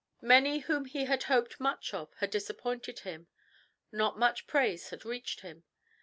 Many whom he had hoped much of had disappointed him. Not much praise had reached him.